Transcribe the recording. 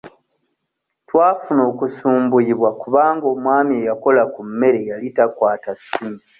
Twafuna okusumbuyibwa kubanga omwami eyakola ku mmere yali takwata ssimu.